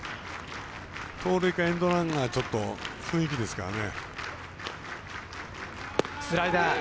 盗塁かエンドランかちょっと雰囲気ですからね。